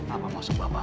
apa maksud bapak